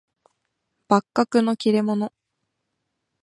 幕閣の利れ者